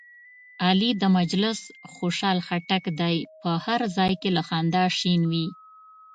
علي د مجلس خوشحال خټک دی، په هر ځای کې له خندا شین وي.